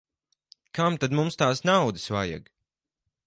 Kam tad mums tās naudas vajag.